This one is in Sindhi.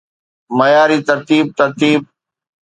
معياري ترتيب ترتيب